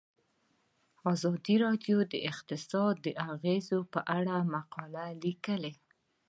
ازادي راډیو د اقتصاد د اغیزو په اړه مقالو لیکلي.